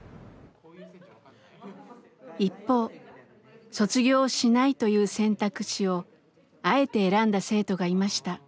一方卒業をしないという選択肢をあえて選んだ生徒がいました。